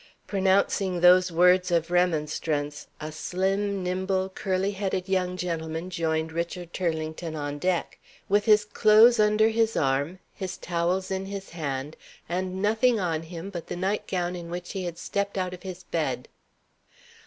Pronouncing those words of remonstrance, a slim, nimble, curly headed young gentleman joined Richard Turlington on deck, with his clothes under his arm, his towels in his hand, and nothing on him but the night gown in which he had stepped out of his bed.